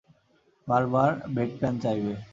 বার বার বেডপ্যান চাইবে।